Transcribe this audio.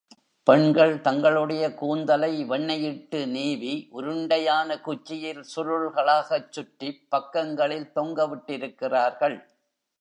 பெண்கள் தங்களுடைய கூந்தலை வெண்ணெயிட்டு நீவி, உருண்டையான குச்சியில் சுருள்களாகச் சுற்றிப் பக்கங்களில் தொங்க விட்டிருக்கிறார்கள்.